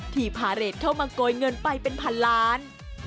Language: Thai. พาเรทเข้ามาโกยเงินไปเป็นพันล้าน